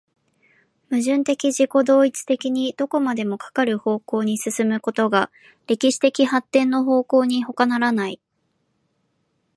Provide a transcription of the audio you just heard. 矛盾的自己同一的にどこまでもかかる方向に進むことが歴史的発展の方向にほかならない。